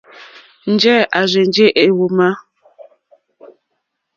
Njɛ̂ à rzênjé èhwùmá.